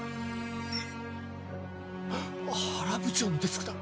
原部長のデスクだ